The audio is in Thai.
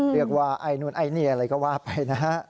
เรียกว่าไอ้นูนไอ้เนี่ยอะไรก็ว่าไปนะ